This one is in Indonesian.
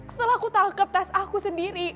setelah aku tangkep tas aku sendiri